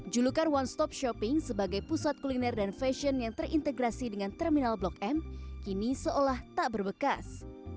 julukan one stop shopping sebagai pusat kuliner dan fashion yang terintegrasi dengan terminal blok m kini seolah tak berbekas